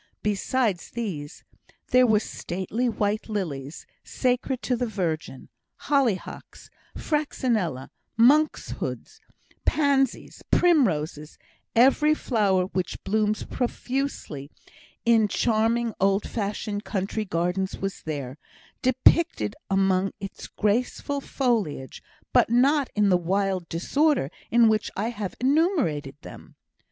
Besides these, there were stately white lilies, sacred to the Virgin hollyhocks, fraxinella, monk's hood, pansies, primroses; every flower which blooms profusely in charming old fashioned country gardens was there, depicted among its graceful foliage, but not in the wild disorder in which I have enumerated them.